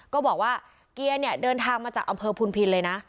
ก็บอกว่าเกียร์เนี่ยเดินทางมาจากอำเภอพุนพินเลยนะ